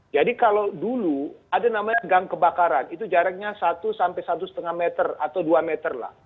jadi kalau dulu ada namanya gang kebakaran itu jaraknya satu sampai satu lima meter atau dua meter lah